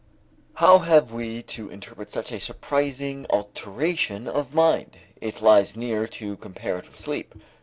How have we to interpret such a surprising alteration of mind? It lies near to compare it with sleep.